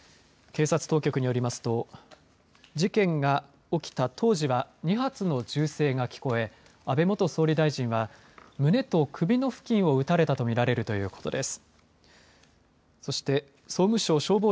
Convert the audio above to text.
警察当局によりますと事件が起きた当時は２発の銃声が聞こえ安倍元総理大臣は胸と首の付近を撃たれたと見られるということです。